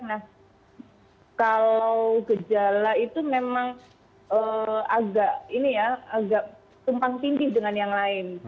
nah kalau gejala itu memang agak tumpang tinggi dengan yang lain